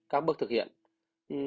các bước thực hiện